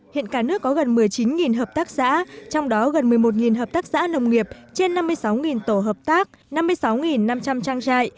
hiện cả nước có gần một mươi chín hợp tác xã trong đó gần một mươi một hợp tác xã nông nghiệp trên năm mươi sáu tổ hợp tác năm mươi sáu năm trăm linh trang trại